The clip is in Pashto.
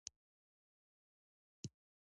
هر ژبه پکې حق لري